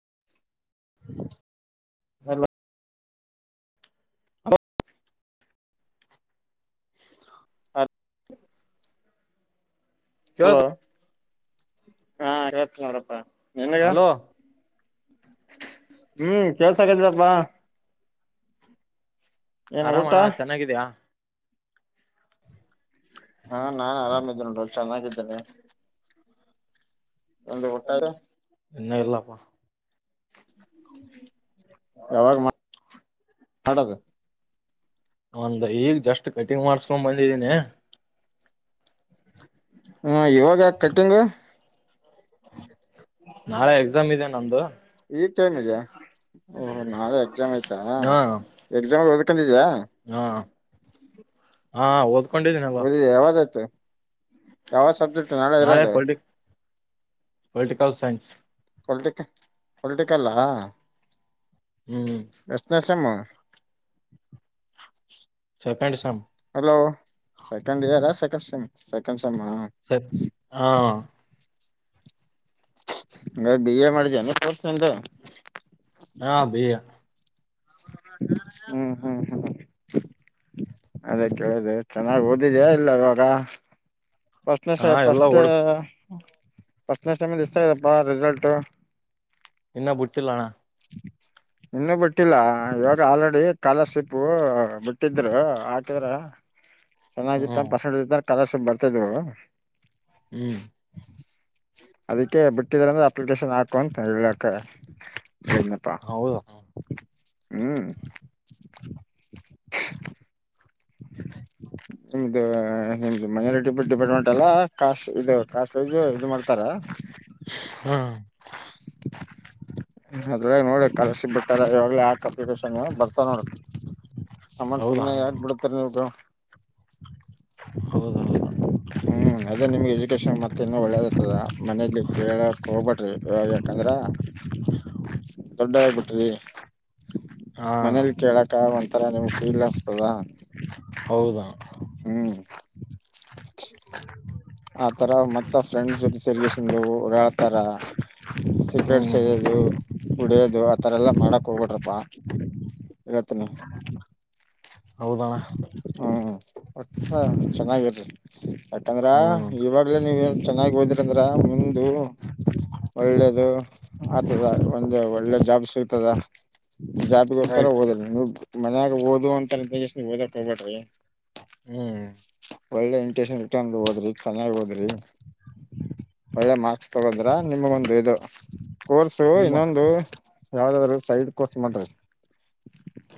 [unintelligible] [unintelligible] Hello ಹಲ ಕೇಳ hello ಹಾ ಇವಪ್ಪ ಅವ್ರಪ್ಪಾ ಹಲೋ ಹ್ಮ್ ಕೆಲ್ಸ ಆಗದರಪ್ಪಾ ಊಟ ಆರಾಮಣ್ಣ ಚೆನ್ನಾಗಿದ್ಯಾ ಹಾ ನಾನ್ ಆರಾಮಿದ್ದೇನೆ ನೋ ಚೆನ್ನಾಗಿದ್ದೇನೆ ಒಂದು ಊಟ ಎನ್ನ ಇಲ್ಲಪ್ಪಾ ಹೌ ಯಾವಾಗ ಮಾಡದು ಒಂದ ಈಗ ಜಸ್ಟ್ ಕಟಿಂಗ್ ಮಾಡ್ಸ್ಕೊಂಡ್ ಬಂದಿದೀನಿ ಹ್ಮ ಇವಾಗ ಕಟ್ಟಿಂಗ ನಾಳೆ ಎಕ್ಸಾಮ್ ಇದದೆ ನಮ್ದು ಈ ಟೈಮ್ ಇದಓ ನಾಳೆ ಎಕ್ಸಾಮ್ ಆಯ್ತಾ ಹಾ ಎಕ್ಸಾಮ್ ಹ ಂದಿದಾ ಹಾ ಹಾ ಹದ ಓದಿದೆ ಯಾವಾಗಾಯ್ತು ಯಾವ ಸಬ್ಜೆಕ್ಟ್ ನಳ ನಾಳೆ ಇರೋದು ಪೊಲಿಟಿ ಪೊಲಿಟಿಕಲ್ ಸೈನ್ಸ್ ಪಲ್ಟಿಕಲ್ ಪೊಲ್ಟಿಕಲ್ಲಾ ಹ್ಮ್ ಎಷ್ಣೇಶಮ್ಮ ಸರ್ಕಂಡಿಸಾಮ [unintelligible] ಸೆಕಂಡ್ ಇರ್ ಸೆಕ್ೆ್ ಸರಿ ಹಾ [inaudible] ನ ಬಿ ಎ ಮಾಡಿದನು ಕೋರ್ಸ್ಂತ ಹಾ ಬಿ ಎ ಹ್ಮ ಹಾ ಹ್ಮ [unintelligible] ಅದೇ ಕೇಳಿದೆ ಚೆನ್ನಾಗ್ ಓದಿದ ಇಲ್ಲ ಇವಾಗ ಸ್ನೆ ಹಾ ಎಲ್ಲಾ ಫಸ್ಟ್ ಹುಡುಕ್ [unintelligible] ಸ್ನ ಸಮ ಇಷ್ಟತ ಇದದಪ್ಪ ರಿಸಲ್ಟ್ [unintelligible] ಇನ್ನ ಬುಟ್ಟಲ್ಲಾನ ಇನ್ನುೂ ಬಿಟ್ಟಿಲ್ಲ ಇವಾಗ ಆಲ್ರೆಡಿ ಕಕಾಲರ್ಶಿಪ್ ಬಿಟ್ಟಿದ್ರು ಹಾಕಿದ್ರ ಚೆನ್ನಾಗಿತ್ತ ಹ್ಮ್ ಪಸಾಡ ತರಸ ಬ [inaudible] ಇತ [unintelligible] [inaudible] ಹ್ಮ್ ಅದಕ್ಕೆ ಬಿಟ್ಟರ್ರೆ ಅಪ್ಲಿಕೇಶನ್ ಹಾಕು ಅಂತ ಹೇಳ ಎನಪ್ಪಾ ಹೌದಾ ಹ್ಮ್ [unintelligible] [inaudible] [inaudible] ನಿಮ್ದು ನಿಮ್ದು ಮೈನಾರಿಟಿ ಡಿಪಾರ್ಟ್ಮೆಂಟ್ ಎಲ್ಲ ಕಾಸ್ ಇದು ಕಾಸೇಜ್ ಇದು ಮಾಡ್ತಾರ ಹ್ಮ್ ಅದ್ರಾಗ ನೋಡಿ ಕಲ್ಸಿ ಬಿಟ್ಟಾರ ಇವಾಗ್ಲ ಯಾಕ್ ಅಪ್ಲಿಕೇಶನ್ ಬರ್ತ ನೋಡಿ ಆಮ್ಮತ್ ಹೌದಾ ಸುಮ್ನೆ ಯಾಕ ಬಿಡುತ್ತಾರೆ ನೀ್ ಹೌದೌದು ಹ್ಮ್ ಅದೇ ನಿಮ್ಗೆ ಎಜುಕೇಶನ್ ಮತ್ತೆ ಇನ್ನು ಒಳ್ಳೇದಾಗ್ತದ ಮನೇಲಿ ಕೇಳೋ ಹೋಗ್ಬೇಡ್ರಿ ಯಾಕಂದ್ರ ದೊಡ್ಡೋರ್ ಆಗ್ಬಿಟ್ರಿ. ಹಾ ಮನೇಲಿ ಕೇಳಕ್ಕ ಒಂಥರ ನಿಮ್ ಫೀಲ್ ಆಗ್ತದಾ ಹೌದಾ ಹ್ಮ್ ಹಾ [unintelligible] ತರ ಮತ್ತ ಫ್ರೆಂಡ್ಸ್ ಜೊತೆ ಸೆರಿಗೆಸಂಡ ಹಳ್ತಾರ ಸೀಕ್ರೆಟ್ ಹ್ಮ್ ಸೆದೋದು ಹೊಡಿಯೋದು ಆತರ ಎಲ್ಲಾ ಮಾಡಕ್ ಹೋಗಡ್ರಪ್ಪಾ ಇಗತ್ತನ ಹೌದಣ್ಣ ಚೆನ್ನಾಗಿರಿ ಯಾಕಂದ್ರ ಹ್ಮ್ ಇವಾಗ್ಲೇ ನೀವ ಏನ್ ಚೆನ್ನಾಗಿ ಓದಿ್ರಿ ಅಂದ್ರ ಮುಂದ ಒಳ್ಳೇದು ಆತದ ಒಂದ ಒಳ್ಳೆ ಜಾಬ್ ಸಿಗ್ತದ ಜಾತಿಗೋಸ್ಕರ ರೈಟ್ ಹಓದಿಲ್ಲ ನೀ ನ ಓದು ಅಂತರ ಬೇ ಎಷ್ಟ.. ಓದಕ್ ಹೋಗಬ್ದ್ರಿ ಹ್ಮ್ ಒಳ್ಳೆ ಇಂಟಷನ್ ರಿಟನ್ ಓದ್ರಿ ಚೆನ್ನಾಗ್ ಓದ್ರಿ ಒಳ್ಳೆ ಮಾರ್ಕ್ಸ್ ತಗದ್ರ ನಿಮಗೊಂದ ಇದು ಕೋರ್ಸು ನಿಮ್ಮ ಇನ್ನೊಂದು ಯಾವ್ದಾದ್ರು ಸೈಡ್ ಕೋರ್ಸ ಮಾಡ್ರಿ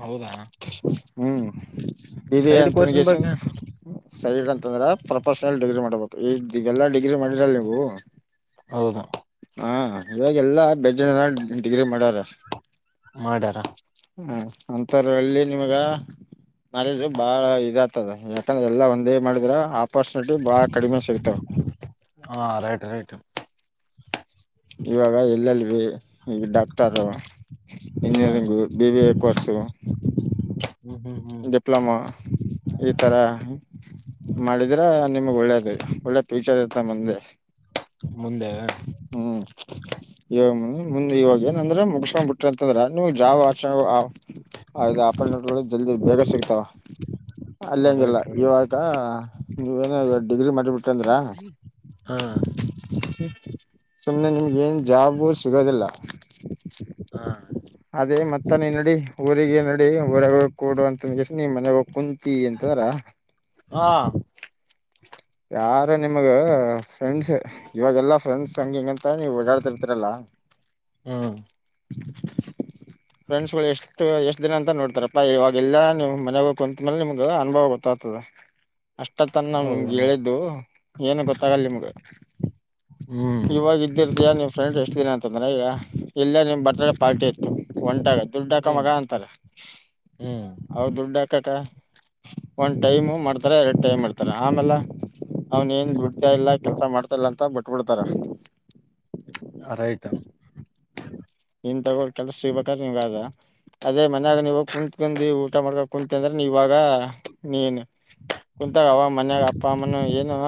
ಹೌದಾ ಹ್ಮ ಇ ಸೈಡ್ ಕೋರ್ಸಿನ ಅಂತರಿಗೇಶನ್ ಬಗ್ಗೆ ಸರಿಂತಂದ್ರ ಪ್ರೊಫೆಷನಲ್ ಡಿಗ್ರಿ ಮಾಡ್ಬೇಕು ಈ ಇಲ್ಲಾ ಡಿಗ್ರಿ ಮಾಡಿರಲ್ಲ ನೀವು ಹೌದಾ ಇವಾಗ ಎಲ್ಲಾ ಬೆಜ್ಜನ್ ಜನ ಡಿಗ್ರಿ ಮಾಡರ ಮಾಡ್ಯಾರ ಹಾ ಅಂತರ ಎಲ್ಲಿ ನಿಮಗ ಕಾಲೇಜು ಬಾಳ ಇದ ಆತದ ಯಾಕಂದ್ರೆ ಎಲ್ಲಾ ಒಂದೇ ಮಾಡಿದ್ರ ಆಪರ್ಚುನಿಟಿ ಬಾಳ ಕಡಿಮೆ ಸಿಗ್ತಾವ ಹಾ ರೈಟ್- ರೈಟ್ ಇವಾಗ ಎಲ- ಎಲ್ - ಬಿ ಈಗ ಡಾಕ್ಟರು ಇಂಜಿನಿಯರಿಂಗು ಹ್ಮ್ ಬಿ -ಬಿ -ಎ ಕೋರ್ಸು.. ಹ್ಮ್ ಹ್ಮ್ ಹ್ಮ್ ಡಿಪ್ಲೊಮಾ ಈ ತರ ಮಾಡಿದ್ರ ನಿಮಗ್ ಒಳ್ಳೇದ ಒಳ್ಳೆ ಫ್ಯೂಚರ್ ಇತ್ತ ಮುಂದೆ ಮುಂದೆ ಹ್ಮ್ ಇ ಮುಂದೆ ಇವಾಗ ಏನಂದ್ರೆ ಮುಗಸ್ಕೊಂಡ್ ಬಿಟ್ಟ್ರಿಂತದ್ರ ನೀವ್ ಜಾವ್ ಆಚ ಆಪೆಂಟ್.. ಜಲ್ದಿ ಬೇಗ ಸಿಗ್ತಾವ ಅಲ್ಲಂಗಗಿಲ್ಲ ರೈಟ್ ಇವಾ.. ರೈಟ್ ಅದ ನೀವೇನ ಡಿಗ್ರಿ ಮಾಡಿಬಿಟ್ಟಂದ್ರ.. ಹಾ ಸುಮ್ನೆ ನಿಮ್ಗೆ ಏನ್ ಜಾಬು ಸಿಗೋದಿಲ್ಲ ಹಾ ಅದೇ ಮತ್ತ ನೀ ನಡಿ ಊರಿಗೆ ನಡಿ ಊರಾಗ ಕೊಡು ಅಂತನ್ ಕೆಸ ನಿಸ್ ಮನೆ ಹೋಗ ಕುಂತಿ ಅಂತದ್ರ.. ಹಾ ಯಾರು ನಿಮಗ ಫ್ರೆಂಡ್ಸ್ ಇವಾಗೆಲ್ಲಾ ಫ್ರೆಂಡ್ಸ್ ಹ ಹಂಗಂತ ನೀವ್ ಓಡಾಡ್ತಿರ್ತೀರಲ್ಲ ಹ್ಮ್ ಫ್ರೆಂಡ್ಸ್ಗಳು ಎಷ್ಟು ಎಷ್ಟ ದಿನ ಅಂತ ನೋಡ್ತಾರಪ್ಪ ಇವಾಗ ಎಲ್ಲಾ ನಿಮ್ ಮನೆ ಕುಂತ ಮೇಲೆ ನಿಮಗ ಅನುಭವ ಗೊತ್ತಾಗ್ತದೆ ಹೌದ ಅಷ್ಟತ್ತನಮಗೆ.. ಇದು ಏನು ಗೊತ್ತಾಗಲ್ಲ ನಿಮ್ಗ ಹ್ಮ್ ಇವಾಗ ಇದ್ದಿರ್ತಯ ನಿಮ್ ಫ್ರೆಂಡ್ ಎಷ್ಟ ದಿನ ಅಂತಂದ್ರೆ ಈಗ ಇಲ್ಲೇ ನಿಮ್ ಬರ್ತ್ಡೇ ಪಾರ್ಟಿ ಇತ್ತು ಒಂಟಾಗ ದುಡ್ಡು ಹಾಕ ಹ್ಮ್ ಮಗ ಅಂತಾರೆ ಹ್ಮ್ ಅವ ದುಡ್ಡು ಹಾಕಕ ಒಂದ್ ಟೈಮ್ ಮಾಡ್ತಾರೆ ಎರಡು ಟೈಮ್ ಮಾಡ್ತಾರ ಆಮೇಲ ಅವನ್ ಏನ್ ಬಿಡ್ತಾ ಇಲ್ಲ ಕೆಲ್ಸ ಮಾಡ್ತಾ ಇಲ್ಲ ಅಂತ ಬಿಟ್ಬಿಡ್ತಾರ ಅ ರೈಟ್ ನೀನ್ ತಗೋ ಕೆಲ್ಸ ಸಿಗ್ಬೇಕಾದ್ರ ನೀವ್ ಅದ ಅದೇ ಮನ್ಯಾಗ ನೀವ ಕುತ್ಕೊಂಡ ಊಟ ಮಾಡ್ಕ ಕುಂತ ಅಂದ್ರ ನೀವಾಗ ನೀನ್ ಕುೂಂತಾಗ ಅವ ಮನ್ಯಾಗ ಅಪ್ಪ ಅಮ್ಮನ ಏನು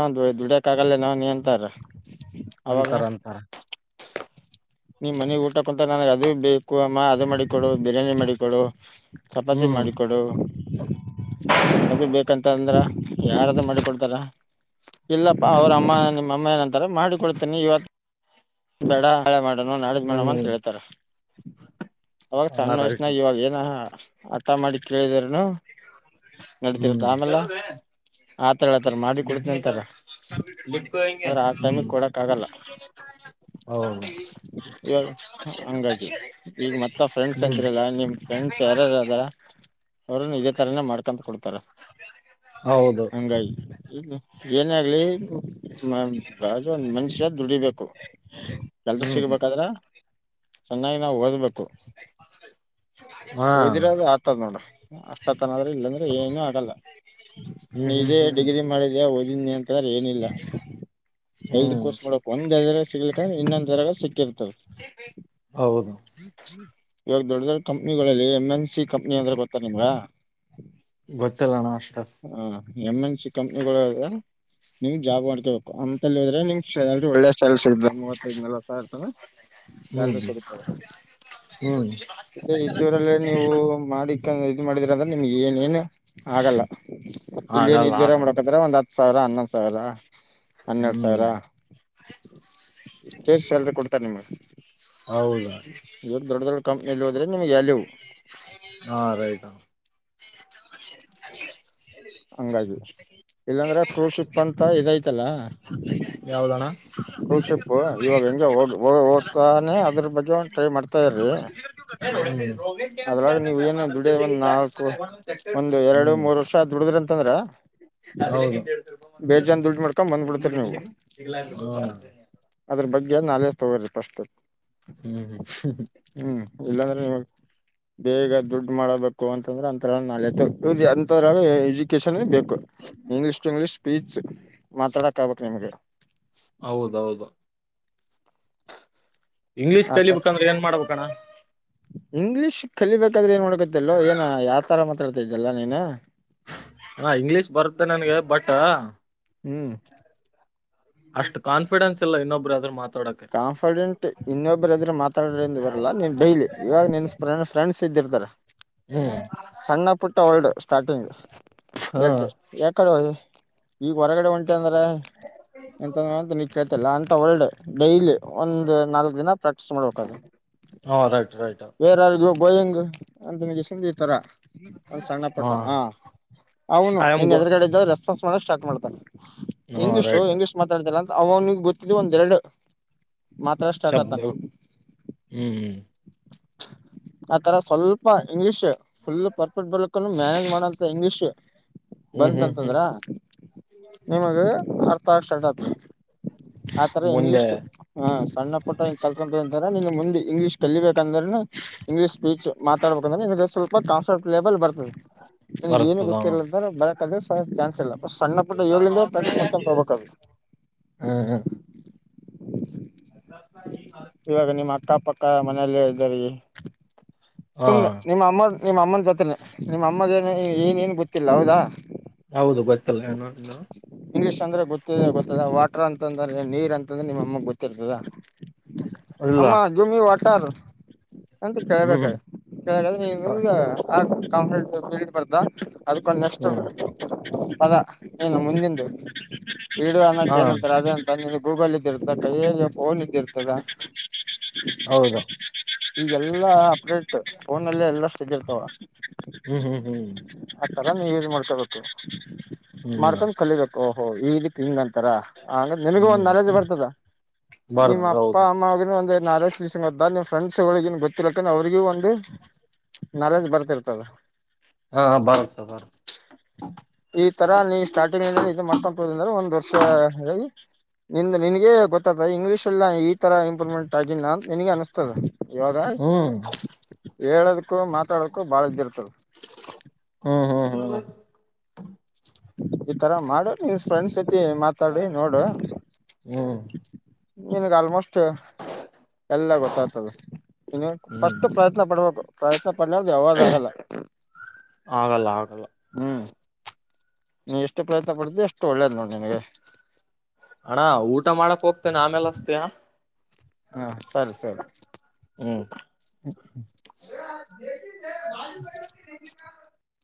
ದುಡ್ಯಕ್ ಆಗಲ್ಲೇನ ನೀ ಅಂತಾರ ಅಂತರ ಅಂತರ ನಿಮ್ ಮನಿ ಊ.. ಕುಂತನ ಅದೇ ಬೇ... ಅಮ್ಮ ಅದು ಮಾಡಿಕೊಡು ಬಿರಿಯಾನಿ ಮಾಡಿ.. ಕೊಡು ಚಪಾತಿ ಹ್ಮ್ ಮಾಡಿಕೊಡು ಅದು ಬೇಕಂತ ಅಂದ್ರ ಯಾರ.. ಮಾಡಿಕೊಡ್ತಾರ ಇಲ್ಲಪ್ಪಾ ಅವ್ರ ಅಮ್ಮ ನಿಮ್ಮ ಅಮ್ಮ ಏನಂತಾರೆ ಮಾಡಿಕೊಳ್ತೇನಿ ಇವತ್ತ.. ಬೇಡ ನಾಳೆ ಮಾಡೋಣ ನಾಡಿದ್ದ ಮಡಮ್ ಅಂತ ಹ್ಮ್ ಹೇಳ್ತಾರ ಅವಾಗ ಹಾ ರೈಟ್ ಸಣ್ಣವಷ್ಣ ಇವಾಗ ಏನ.. ಅತ್ತ ಮಾಡಿ ಕೇಳಿದಾರನು ಆತರ ಹೇಳ್ತಾರ ಮಾಡಿ ಹ್ಮ್ ಕೊಡ್ತನಿ ಅಂತಾರ ಆದ್ರ ಆ ಟೈಮಿಗೆ ಕೊಡಕ್ ಆ ಆಗಲ್ಲ ಇವಾಗ ಹ್ಮ್ ಹಂಗಾಗಿ ಈಗ ಮತ್ತ ಫ್ರೆಂಡ್ಸ್ ಅಂತಿರಲ್ಲ ಹೌ ನಿಮ್ ಫ್ರೆಂಡ್ಸ್ ಯಾರಾರ ಹ್ಮ ತ್ತರ ಹಂಗಾಗಿ ಇಗ ಏನ ಆಗ್ಲಿ ಒಂದ ಮನುಷ್ಯ ದುಡಿಬೇಕು ಕೆಲ್ಸ ಹ್ಮ್ ಸಿಗ್ಬೇಕಾದ್ರ ಚೆನ್ನಾಗಿ ನಾವವು ಓದ್ಬೇಕು ಹಾ ಓದಿರದು ಆತದ ನೋಡ್ರ ಅತ ತನ್ರ ಇಲ್ಲ ಅಂದ್ರೆ ಏನು ಆಗಲ್ಲ ಹ್ಮ್ ನೀ ಹ್ಮ್ ಇದೇ ಹ್ಮ್ ಡಿಗ್ರಿ ಮಾಡಿದ ಓದಿದಿ ಅಂತಂದ್ರೆ ಏನಿಲ್ಲ ಸೈಡ್ ಹ್ಮ್ ಕೋರ್ಸ್ ಮಾಡಕ್ ಒಂದ್ರೆ ಸಿಗ್ಲಿಕ್ಕೆಂದ್ರೆ ಇನ್ನೊಂದ್ ತರಗಳು ಸಿಕ್ಕಿರ್ತಾವ ಹೌದು ಇವಾಗ ದೊಡ್ಡ ದೊಡ್ ಕಂಪ್ನಿಗಳಲ್ಲಿ ಎಂ ಎನ್ ಸಿ ಕಂಪ್ನ ಅಂದ್ರೆ ಗೊತ್ತ ನಿಮ್ಗ ಗೊತ್ತಲ್ಲಣ ಅಸ್ಟ ಹ ಎಮ್ ಎನ್ ಸಿ ಕಂಪ್ನಿಗಳು್ರೆ ನಿ್ ಜಾಬ್ ಮಾಡ್ಕೋಬೇಕು ಅಂತಲ್ಲಿ್ರೆ ನಿ್ಾಲ ಒಳ್ಳೆ ಸಲ್ ಮೂವತ್ತದ್ ನ ಸಾವಿರ ಹ್ಮ್ ಸಲ್ರಿ ಸಿಗತದೆ ಹ್ಮ್ ಇದೂರಲ್ಲ ನೀವು ಮಾಡಿ ಇದ ಮಾಡಿದ್ರ ಅಂದ್ರೆ ನಿಮ್ಗೆ ಏನ ಏನು ಆಗಲ್ಲ ಇಲ್ಲಿ ಏನ್ ಆಗಲ್ಲ ಇದೂರ ಆಗಲ್ಲ ಮಾಡಕ್ರ ಒಂದ್ ಹತ್ತು ಸರಾ ಅನ್ನ ಸರಾ ಹನ್ನೆರಡು ಹ್ಮ್ ಸಾವಿರ ಷ್ಟ್ ಸ್ಯಾಲ್ರಿ ಕೊಡ್ತಾರೆ ನಿಮ್ಗೆ ಹೌದಾ ಎ ದೊಡ್ಡ ದೊಡ್ಡ ಕಂಪ್ನಿ ಅಲ್ಲಿ ವ್ಯಾಲ್ಯೂ ಹ ಹಂಗಾಗಿ ಇಲ್ಲಾಂದ್ರೆ ಕ್ರೂಶಿಪ್ ಅಂತ ಇದೈತಲ್ಲ ಯಾವ್ದಣ್ಣ ಕೂಶಿಪ್ ಇವಾಗ ಹೆಂಗಗೆ ಹೋಗ ಹೋಗ್ತಾನೆ ಅದ್ರ ಬಗ್ಗೆ ಟ್ರೈ ಮಾಡ್ತಾರಿ ಹ್ಮ್ ಅದ್ರಾಗ ನೀವ ಏನು ದುಡ ಒಂದ್ ನಾಲ್ಕು ಒಂದ್ ಎರಡು ಮೂರ್ ವರ್ಷ ದುಡಿದ್ರ ಅಂತಂದ್ರ ಬೇಜನ್ ದುಡ್ಡು ಮಾಡ್ಕೊಂಡ ಬಂದ್ಬಿಡ್ತರಿ ನೀವು ಹೌದು ಅದ್ರ ಬಗ್ಗೆ ನೆ ತಗೋ್ರಿ ಪಸ್ಟು ಹ್ಮ್ ಹ್ಮ್ ಹ್ಮ್ ಇಲ್ಲಾಂದ್ರೆ ನಿ ಬೇಗ ದುಡ್ಡು ಮಾಡಬೇಕು ಅಂತ ಂದ್ರ ಅಂಥರ ನಳೆ ಅಂರ ಎಜುಕೇಶಷನ್ ಬೇಕ ಇಂಗ್ಲೀಷ್ ಟ ಇ್ಲೀಷ್ ಪಚ್ ಮಾತಾಡಕ್ ಆಗ್ಬೇಕಬೇಕು ನಿಮ್ಗೆ ಹೌದೌದು ಇಂಗ್ಲೀಷ್ ಕಲಿಬೇಕಂದ್ರೆ ಏನ್ ಮಾಡ್ಬೇಕಣ್ಣ ಇಂಗ್ಲಿೀಷ್ ಕಲಿಬೇಕಾದ್ರೆಏನ್ ನೋಡಕತ್ತೆಲ್ೋ ಏನ ಯಾವ ತರ ಮತ್ತ ಹತ ಇದ್ದಲ್ಲ ನೀನ ಹಾ ಇಂಗ್ಲೀಷ್ ಬರುತ್ತೆ ನನ್ಗೆ ಬಟ್ ಹ್ಮ್ ಅಷ್ಟು ಕಾನ್ಫಿಡೆನ್ಸ್ ಇಲ್ಲ ಇನ್ನೊಬ್ಬರು ಅದ್ರ ಮಾತ್ರ ಕಾನ್ಫಿಡೆಂಟ್ ಇನ್ನೊಬ್ಬರದ್ರೆ ಮಾತಾಡಿಂದ ಬರಲ್ಲಾ ನೀನ್ ಡೈಲಿ ಇವಾಗ ನಿನ್ನ್ನ ಫ್ರೆಂಡ್ ಸಿಿದ್ದರ್ತಾರೆ ಹ್ಮ್ ಸಣ್ಣ ಪುಟ್ಟ ಒಳ್ಳಡು ಸ್ಟಾರ್ಟಿಂಗ್ ಹ್ಮ್ ಎತ ಯಾಕಡುವ ಈಗ ಹೊರಗಡೆ ಒಂಟು ಅಂದ್ರೆ ಎಂತಂದ್ರ ಅಂತ ನಿತ್ಯತಲ್ಲ ಅಂತ ಒಳ್ಳಡ್ ಡೈಲ್ ಒಂದು್ ನಾಲ್ಕ್ ದಿನ ಪ್ರಾಕ್ಟೀಸ್ ಮಾಡ್ಬೇಕದು ಹಾ ರೈಟ್ ರೈಟ್ ಬೇರಾರಗ ಗೋಯಿಂಗ್ ಅಂತನಗೆಷ ರ ಒಂದು ಸಣ್ಣ ಪುಟ್ಟ ಹಾ ಅವನು ಐ ಆಮ್ ನೀನು ಗೋ ಎದುರುಗಡೆ ಇದ್ದಾವೆಸ್ ಸ್ಟಕ್ ಮಾಡ್ತಾನೆ ಹಾ ಇಂಗ್ಲೀಷು ರೈಟ್ ಇಂಗ್ಲೀಷ್ ಮಾತಾಡ್ತಲ್ಲ ಅವನಿಗೆಗ್ ಗೊತ್ತಿದ ಒಂದ್ೆರಡು ಮಾತಾಡಷ್ಟ ಆಗತಾನ ಶಬ್ದ ಹ್ಮ್ ಆತರ ಸ್ವಲ್ಪ ಇಂಗ್ಲಿೀಷ್ ಫುಲ್ ಪರ್ಫೆಕ್ಟ್ ಬರ್ಕು ಮ್ಯಾನೇಜ್ ಮಾಡಂತ ಇಂಗ್ಲೀಷ್ ಹ್ಮ್ ಹ್ಮ್ ಹ್ಮ್ ಹ್ಮ್ ಬಂತಂತಂದ್ರ ನಿಮಗ ಅರ್ಥ ಆಗ್ ಸ್ಟರ್ಟ್ ಆಗ್ತ ಆತರ ಮುಂದೆ ಇಂಗ್ಲಿಷ್ಟು ಹ ಸಣ್ಣ ಪುಟ್ಟ ಹಿಂಗ ಕಲ್ತ್ಕೊಂತ ಅಂತ್ರ ನಿನ್ ಮುಂದಿ ಇಂಗ್ಲಿ್ ಕಲ್ಲಿ ಂದ್ರ ಇಂಗ್ಲೀಷ್ ಸ್ಪೀಚ್ ಮಾತಾಡ್ಬೇಕುಂದ್ರೆ ಸ್ವಲ್ಪ ಕಾನ್ಸ ಲೆಬಲ್ ಬರ್ತದೆ ನನಗ್ ಏನು ಬರುತ್ತದ ಗೊತ್ತಿರಲಂದ್ರ ಬರಕ್ಂದ್ರೆ ಚಾನ್ಸ್ ಇಲ್ಲ ಸಣ್ಣ ಪುಟ್ಟ ಯೋಗಲಿಂದ ಪ್ರಾಕ್ಟೀಸ್ ಮಾಡ್ಕೊಂಡ ಹೋಗಬೇಕ ಹ್ಮ್ ಹ್ಮ್ ಇವಾಗ ನಿಮ್ಮ ಅಕ್ಕಪಕ್ಕ ಮನೇೆಯಲ್ಲಿ ಹಾ ಸುಮ್ಮ್ನೆ ನಿಮ್ಮ ಅಮ್ಮ ನಿಮ್ಮ ಅಮ್ಮನ ಜೊತೆನೆ ನಿಮ್ಮ ಅಮ್ಮ ಏನನು ಗೊತ್ತಿಲ್ಲ ಹೌದಾ ಹೌದು ಗೊತ್ತಲ್ಲನ ಇನ್ನು ಇಂಗ್ಲೀಷ್ ಅಂದ್ರೆ ಗೊತ್ತಿದೆ ಗೊತ್ತದ ವಾಟರ್ ಅಂತಂದ್ರೆ ನೀರ್ ಅಂತಂದ್ರೆ ನಿಮ್ಮ ಅಮ್ಮ ಗೊತ್ತಿರ್ತದ ಇಲ್ಲ ಆಮ್ಮ ಜಮಿ ವಾಟರ್ ಅಂತ ಹ್ಮ್ ಕಳ್ಬೇಕಾರೆ ಕೆ ಕಾಫ್ರಟ್ ಬರ್ತ ಅದಕ್ಕೊಂದು ನಷ್ಟ ಹ್ಮ್ ಪದ ಏನು ಮುಂದೆಂಟು ಇಡಡು ಅನ್ನಂತ ಹಾ ಏನಂತಾರೆ ಅದ ಅಂತ ನಿ ಗೂಗಲ್ ಇದ್ದಿ ಹ ನಿ ತದಾ ಹೌದು [unintelligible] ಈಗೆಲ್ಲಾ ಅಪ್ಡೇಟ್ ಫೋನ್ಲ್ಲೇ ಎಲ್ಲ ಚೆಿ [unintelligible] ಇರ್ತಾವ ಹ್ಮ್ ಹ್ಮ್ ಹ್ಮ್ ರ ನೀವು ಯೂಸ್ ಮಾಡ್ಕೊಬೇಕು ಹ್ಮ್ ಮಾಡ್ಕೊಂಡ ಕಲಿಬೇಕು ಹ ಈ ತಿಂಗ್ ಅಂತಾರ ಆಂಗ ನಿಮಗ ಒಂದ್ ಹ್ಮ್ ನಾಲೆಜ್ ಬರ್ತದ ನಿಮ್ಮ್ ಬರುತ್ತ ಅಪ್ಪ ಹೌದು ಅಮ್ಮ ಅವ ಒಂದ್ ನಾಲೆಜ್ ಟೂಷನ್ದ್ದ್ ಫ್ರೆಂಡ್ಸ್ಗಳಳಿಗ ಗೊತ್ತಿಿಲ್ಲಕ್ಕ್ರೆ ಅವ್ರಿಗೂ ಒಂದು ನಾಲೇಜ್ ಬರ್ತಿರ್ತದೆ ಹಾ ಬರುತ್ತ ಬರುತ್ತ ಈ ತರ ನೀ ಸ್ಟಾರ್ಟಿಂಗ್ ನಿಿಂದ ಇದ ಮಾಡ್ಕೊಬೋುದ ಅಂದ್ರೆ ಒಂದ್ ವರ್ಷಿ ನಿನ್ ನಿನ್ಗೆ ಗೊತ್ತಾದ ಇಂಗ್ಲೀಷ್ ಎಲ್ಲ ಈ ತರ ಇಂಪ್ರೂವ್ಮೆಂಟ್ ಆಗಿಲ್ಲ ನನ್ಗೆ ಅನ್ಸ್ತ ತದ ಯಾವಗ ಹ್ಮ್ ಹೇಳೋದಕೂ ಮಾತಾಡೋಕು ಬಾಳ ಇದ್ದಿರ್ತರು ಹ್ಮ್ ಹ್ಮ ಹ ಈತರ ಮಾಡೋ ನಿನ್ ಫ್ರೆಂಡ್ಸ್ ಜತಿ ಮಾತಾಡಿ ನೋಡು ಹ್ಮ್ ಆಲ್ಮೋಸ್ಟ್ ಎಲ್ಲ ಗೊತ್ತಾಗ್ತದೆ ಇನ್ನು ಹ್ಮ್ ಫಸ್ಟ್ ಪ್ರಯತ್ನ ಪಡ್ಬೇಕು ಪ್ರಯತ್ನ ಪಡದು ಯಾವ್ದ ಆಗಲ್ಲ ಆಗಲ್ಲ ಆಗಲ್ಲ ಹ್ಮ್ ನೀ ಎಷ್ಟು ಪ್ರಯತ್ನ ಪಡ್ತಿ ಅಷ್ಟು ಎಷ್ಟು ಒಳ್ಳೇದ್ ನೋಡಿ ನಿನಗೆ ಅಣ್ಣಾ ಊಟ ಮಾಡಕ್ ಹೋಗ್ತೇನೆ ಆಮೇಲೆ ಅಸ್ತೆ ಹಾ ಹಾ ಸರಿ - ಸರಿ ಹ್ಮ್ [unintelligible] [unintelligible]